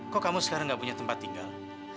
kok kamu sekarang gak punya tempat tinggal